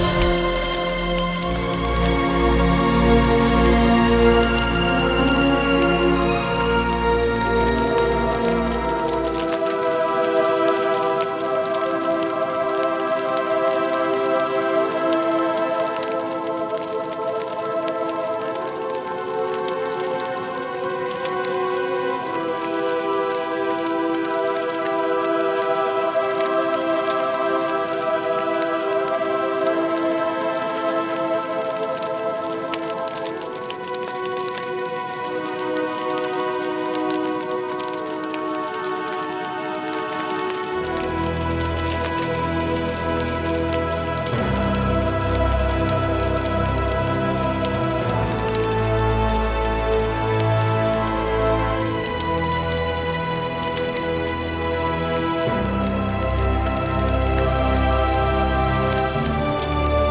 kau tidak akan puas